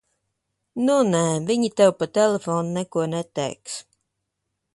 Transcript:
Nu nē, viņi tev pa telefonu neko neteiks.